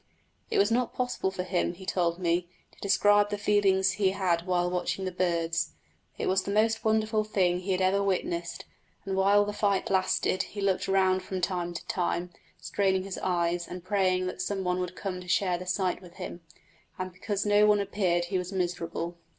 It was not possible for him, he told me, to describe the feelings he had while watching the birds. It was the most wonderful thing he had ever witnessed, and while the fight lasted he looked round from time to time, straining his eyes and praying that some one would come to share the sight with him, and because no one appeared he was miserable.